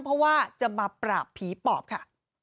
เพราะว่าจะมาปราบผีปอบค่ะ